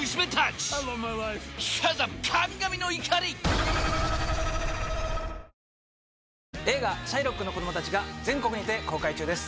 フラミンゴ映画『シャイロックの子供たち』が全国にて公開中です。